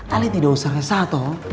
ale tidak usah resah toh